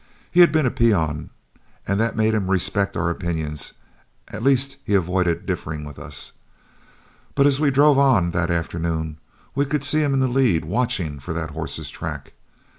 He had been a peon, and that made him respect our opinions at least he avoided differing with us. But as we drove on that afternoon, we could see him in the lead, watching for that horse's track.